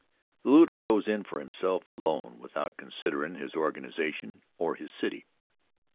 The looter goes in for himself alone without considerin' his organization or his city.